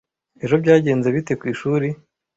Ejo byagenze bite ku ishuri?